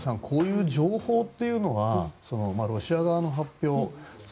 こういう情報というのはロシア側の発表